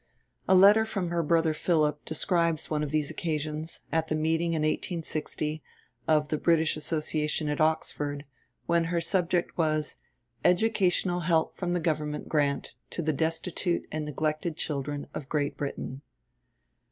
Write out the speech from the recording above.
A letter from her brother Philip describes one of these occasions, at the meeting in 1860 of the British Association at Oxford, when her subject was, "Educational Help from the Government Grant to the Destitute and Neglected Children of Great Britain."